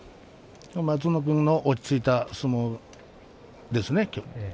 松園君の落ち着いた相撲ですね。